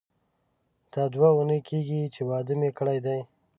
دا دوه اونۍ کیږي چې واده مې کړی دی.